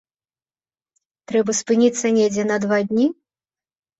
Трэба спыніцца недзе на два дні?